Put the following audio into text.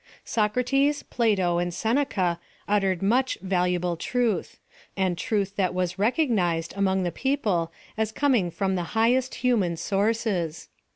Socrates, Plato, and Seneca uttered much valu able truth ; and truth that was recognized among the people as coming from the highest human sources.